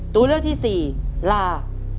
ตัวเลือกที่๔ลา